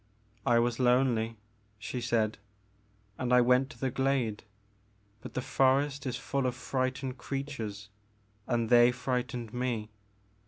I was lonely," she said, and I went to the glade, but the forest is full of frightened creatures and they frightened me.